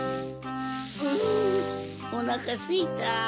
んおなかすいた。